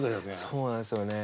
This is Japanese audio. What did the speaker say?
そうなんですよね。